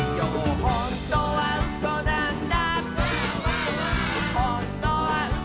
「ほんとにうそなんだ」